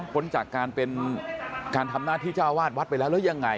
พ้นจากการเป็นการทำหน้าที่เจ้าวาดวัดไปแล้วหรือยังไง